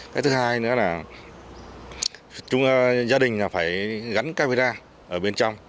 cái thứ hai nữa là gia đình phải gắn camera ở bên trong